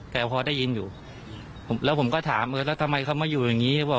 แต่พอได้ยินอยู่แล้วผมก็ถามเออแล้วทำไมเขามาอยู่อย่างนี้